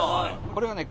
これはね